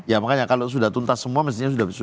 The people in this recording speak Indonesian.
ya makanya kalau sudah tuntas semua mestinya sudah bisa